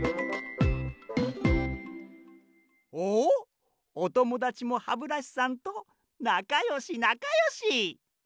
おっおともだちもハブラシさんとなかよしなかよし！